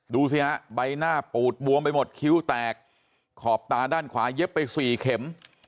ดูสิฮะใบหน้าปูดบวมไปหมดคิ้วแตกขอบตาด้านขวาเย็บไปสี่เข็ม